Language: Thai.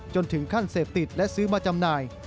จนถึงขั้นเสพติดและซื้อมาจำหน่าย